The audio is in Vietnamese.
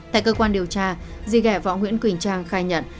tại cơ quan điều tra dì gà võ nguyễn quỳnh trang khai nhận